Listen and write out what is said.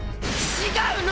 違うの！